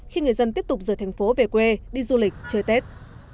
khi người dân tiếp tục rời thành phố về quê đi du lịch chơi tết